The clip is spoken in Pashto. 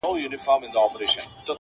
زما او ستا تر منځ یو نوم د شراکت دئ٫